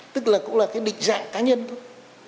tức là cũng là cái định dạng cá nhân thôi